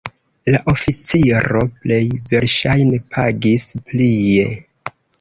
La oficiro plej verŝajne pagis plie.